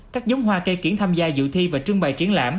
các giống hoa cây kiển tham gia dự thi và trưng bày truyện lãnh